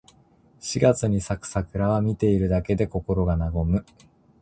四月に咲く桜は、見ているだけで心が和む。